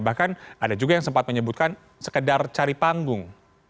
bahkan ada juga yang sempat menyebutkan sekedar cari panggung